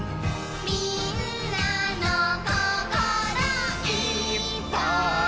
「みんなのココロ」「いっぱい」